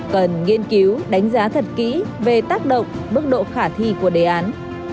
cần nghiên cứu đánh giá thật kỹ về tác động mức độ khả thi của đề án